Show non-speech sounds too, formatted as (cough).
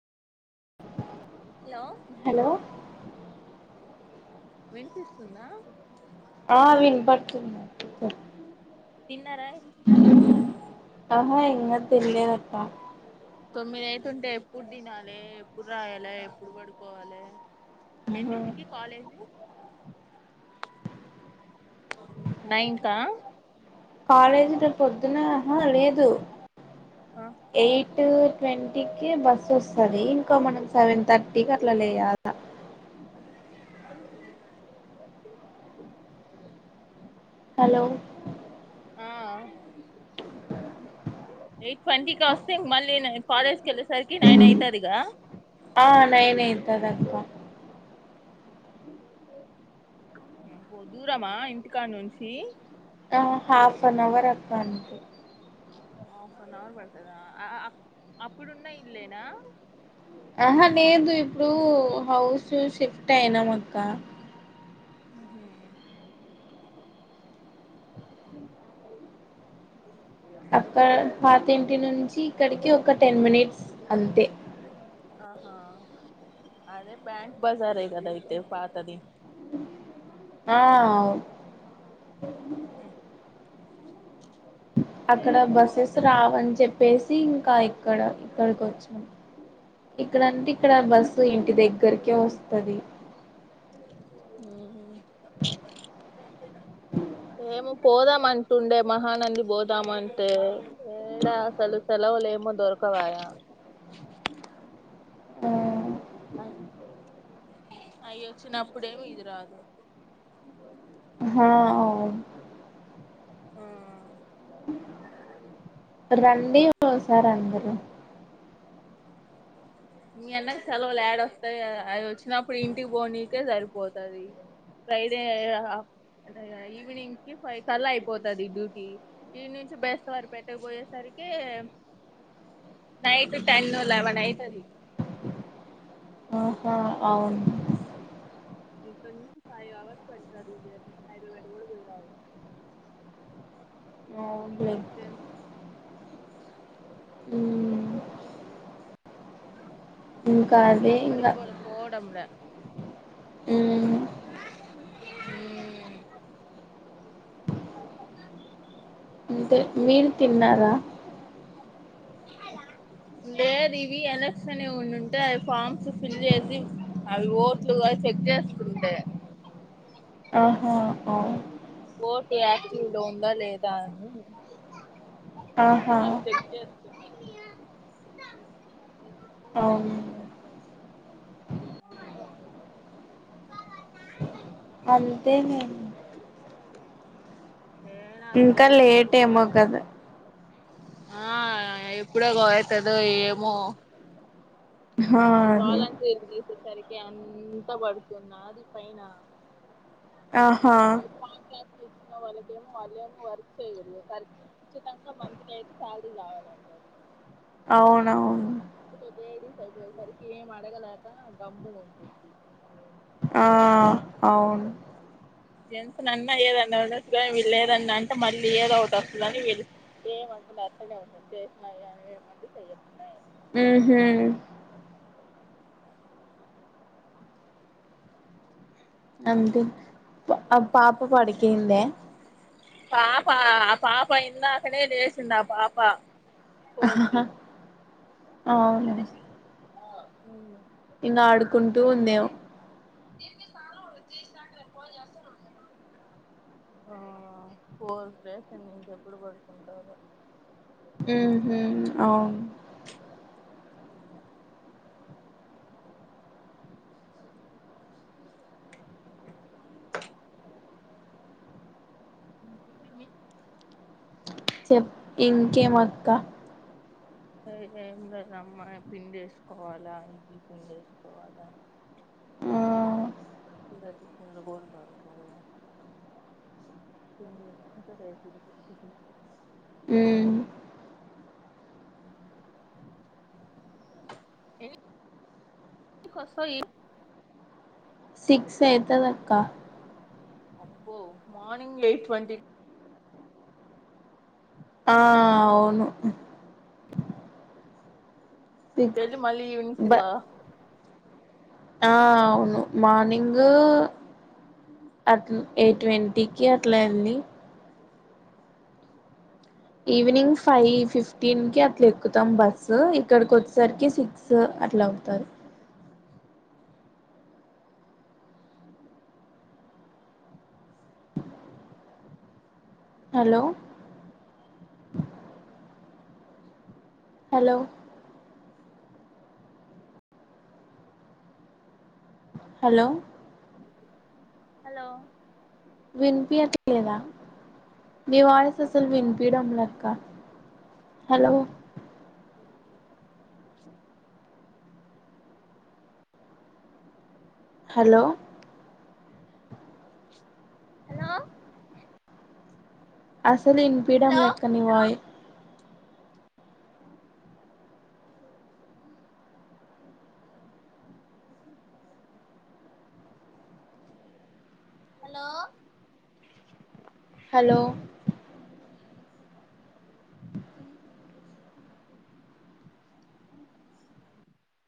hello hello వినిపిస్తుందా ఆ విన్ పడుతుంది తిన్నారయి టమో ఇంగ తినలేదు అక్క తొమ్మిది అయితుంటే ఎప్పుడు తినాలి ఎప్పుడు రాయాలే ఎప్పుడు పడుకోవాలి ఎన్నింటికి కాలేజ్ నైన్ క కాలేజీ రేప్ పొద్దున అహా లేదు ఆ ఎయిట్ ట్వంటీకిి బస్ వస్తుంది ఇంకో మనం సెవెన్ థర్టీకి అట్లా లేయాల (inaudible) హలో ఆ చెపు ఎయిట్ ట్వంటీకి వస్తే మళ్ళీ నే కాలేజ్కి వెళ్ళేసరికి నైన్ అవుతుంది ఇక ఆ నైన్ అయితది అక్క అబో దూరమా ఇంటికాడనుంచి ఆ హాఫ్ అన్ అవర్ అక్క అంతే ఆఫ్ అన్ అవర్ పడుతదా అ అ అప్పుడున్నా ఇల్లే నా ఆహా లేదు ఇప్పుడు హౌస్ షిఫ్ట్ అయినాం అక్క ఊహు అ అక్క పాతి ఇంటి నుంచి ఇక్కడికి ఒక టెన్ మినిట్స్ అంతే ఆహా అదే బ్యాంక్ బజారే కదా అయితే పాతది ఆ అవును అ అక్కడ బస్సెస్ రావని చెప్పేసి ఇంకా ఇక్కడ ఇక్కడికి వచ్చినం ఇక్కడంటే ఇక్కడ బస్సు ఇంటి దగ్గరకే వస్తది ఆ హా ఏమో పోదామంటుండే మహానంది పోదామంటే ఏడా అసలు సెలవులు ఏమో దొరకవాయ ఆ అయ్యోచ్చినప్పుడేమి ఇది రాదు హా ఆ ఆ రండి ఓసారి అందరు మీ అన్నకి సెలవులు యేడ వస్తాయి అది వచ్చినప్పుడు ఇంటికి పోనీకే సరిపోతది ఫ్రైడే ఈవినింగ్ కి ఫైవ్ కల్లా అయిపోతది డ్యూటీ ఈ నుంచి బేస్త వారు పెట్టకపోయేసరికి నైట్ టెన్ ను లె వెన్ అయితది ఆహా అవును ఇంక నుంచి ఫైవ్ అవర్స్ పడతాది జర్నీ హైదరాబ్యాడ్ కూడా పోయి రావచ్చు అంత అవునులే డిస్టెన్స్ మ్మ్ ఇంకా అదే ఇంకా పోవడంమ్ లే మ్మ్ అంటే మీరు తిన్నారా ల లేదు ఇవి ఎలక్షన్ ఇ ఉంటేయి అవి ఫార్మ్స్ ఫిల్ చేసి అవి ఓట్లుగా చెక్ చేస్తుంటే ఆహా ఆఓ ఓటు యాక్టీవ్ లో ఉందా లేదా అని ఆహా అవి చెక్ చేస్త యా అవును ఆ న అంతే మేడం ఏడా అసలు ఇంకా ఏడికన్నా లేట్ ఏమో పోవాలని కదా ఆ ఎప్పుడో గో అవుతదో ఏమో హా అదే ఇవాళని ఈయన లేచేసేసరికి అంత పడుతున్న అది పైన ఆహా వీళ్ళు కాంట్రాక్ట్ తీసుకున్న వాళ్ళకేమో వాళ్ళ ఏమో వర్క్ చేయ్యరు ఖచ్చితంగా మంత్లీ అయితే శాలరీ కావాలంటారు అవునవును లేడీస్ అయిపోయేసరికి ఏం అడగలేక గమ్ముగ ఉంటుంది ఆ ఆ అవును జెంట్స్ అన్నా ఏదన్నా ఉండచ్చు కానీ వీళ్ళు లేదన్నా అంటే మళ్ళీ ఏదో ఒకటి వస్తుందని వీళ్ళు ఏమంకుల్ అస్తనే ఉంటుంది చేసినయి కాని ఏమంట చెయ్యకున్నాయి ఉహు అంతే ఆ పాప పడికినిందే పాప ఆ పాప ఇందాకనే లేసింది ఆ పాప ఫోర్ కి అవున ఉమ్ ఇంగా ఆడుకుంటూ ఉందేమో దీనికే సాలవు జీన్స్ పాంట్ లేకపోతే అస్సల్ ఉండదు ఇక్కడ ఆ ఫోర్ కి లేసింది ఇంకెప్పుడు పడుకుంటాదో ఉమ్ హ్ అవును క్లా ఇంకేమీ చెప్ ఇంకేమక్క ఏం లేదమ్మా పిండి ఏసుకోవాలా ఇడ్లీ పిండేసుకోవాలా ఆ ఈడ టిఫిన్లు గుడ దొరకవు పిండి పెట్టుకుంట రేపటికి టిఫిను ఉమ్ ఎన్నిన్ కోస్తవ్ ఇవినిన్ సిక్స్ అయితదక్క అబ్బో మార్నింగ్ ఎయిట్ ట్వంటీక్ ఆ అవును సిక్స్ వెళ్లి మళ్ళీ ఈవినింగ్ బ సిక్సా ఆ అవును మార్నింగ్ అట్ల్ ఎయిట్ ట్వంటీకి అట్లా ఎల్లి ఈవినింగ్ ఫైవ్ ఫిఫ్టీన్ కి అట్లా ఎక్కుతాం బస్సు ఇక్కడికొచ్చేసరికి సిక్స్ స్ అట్లావుతది హలో హలో హలో హలో విన్పియట్లేదా మీ వాయిస్ స్ అసలు వినిపియడంలె అక్క హలో ఉహు హలో హలో అసలు ఇన్పీడయంలే అక్క ని వాయి హలో హలో